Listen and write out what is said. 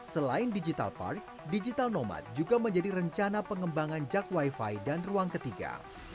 selain digital park digital nomad juga menjadi rencana pengembangan jak wifi dan ruang ketiga